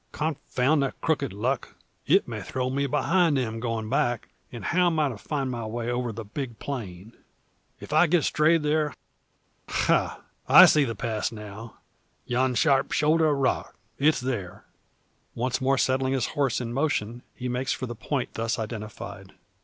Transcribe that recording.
Confound the crooked luck! It may throw me behind them going back; and how am I to find my way over the big plain! If I get strayed there Ha! I see the pass now; yon sharp shoulder of rock its there." Once more setting his horse in motion, he makes for the point thus identified.